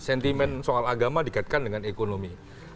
sentimen soal agama dikaitkan dengan ekonomi